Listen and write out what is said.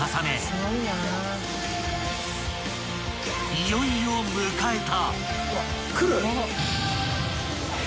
［いよいよ迎えた］